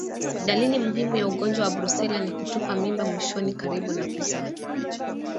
Dalili muhimu ya ugonjwa wa Brusela ni kutupa mimba mwishoni karibu na kuzaa